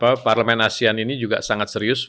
jadi parlemen asean ini juga sangat serius